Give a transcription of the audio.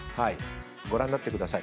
ご覧になってください。